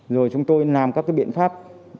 rồi chúng tôi làm các biện pháp